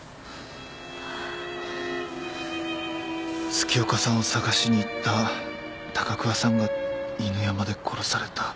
月岡さんを捜しに行った高桑さんが犬山で殺された。